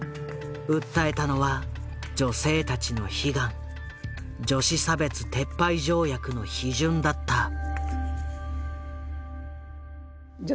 訴えたのは女性たちの悲願女子差別撤廃条約の批准だった。